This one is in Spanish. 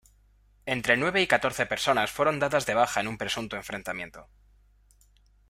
Entre nueve y catorce personas fueron dadas de baja en un presunto enfrentamiento.